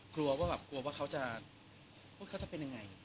กลัวว่าเขาจะเป็นยังไง